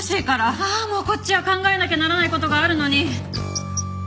ああもうこっちは考えなきゃならない事があるのに。